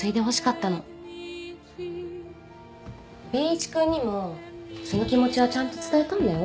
Ｂ一君にもその気持ちはちゃんと伝えたんだよ。